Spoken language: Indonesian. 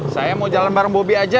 saya mau jalan bareng bobby aja